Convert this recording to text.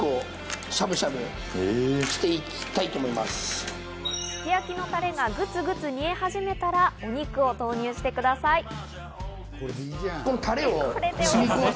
すき焼きのタレがぐつぐつ煮え始めたらお肉を投入してください。